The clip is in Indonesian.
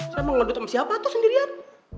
saya mau ngedut sama siapa atau sendirian